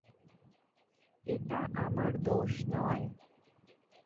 এটা আমার দোষ নয়।